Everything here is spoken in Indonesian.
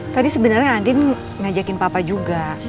tadi sebenarnya andin ngajakin papa juga